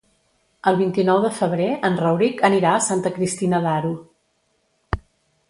El vint-i-nou de febrer en Rauric anirà a Santa Cristina d'Aro.